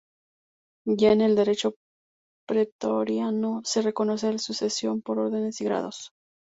Ya en el derecho pretoriano se reconoce la sucesión por órdenes y grados.